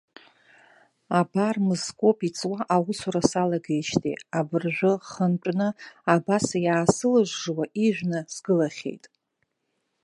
Абар мызкоуп иҵуа аусура салагеижьҭеи, абыржәы хынтәны абас иаасылжжуа ижәны сгылахьеит.